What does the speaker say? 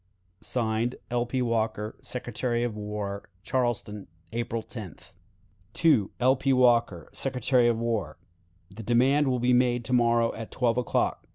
(Signed) "L. P. Walker, Secretary of War." "Charleston, April 10th. "L. P. Walker, Secretary of War. "The demand will be made to morrow at twelve o'clock.